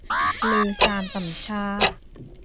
เลวทรามต่ำช้า